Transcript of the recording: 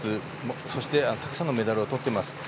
そして、たくさんのメダルをとっています。